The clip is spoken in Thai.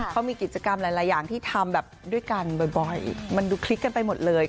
เขามีกิจกรรมหลายอย่างที่ทำแบบด้วยกันบ่อยมันดูคลิกกันไปหมดเลย